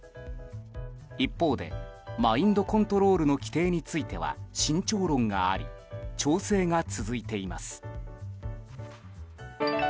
一方でマインドコントロールの規定については慎重論があり調整が続いています。